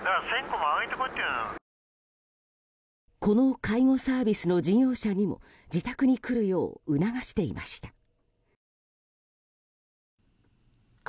この介護サービスの事業者にも自宅に来るよう促していました。